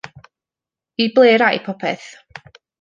I ble'r ai popeth?